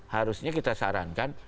harusnya kita sarankan